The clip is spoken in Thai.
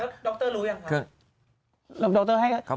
ดรรู้หรือป่าว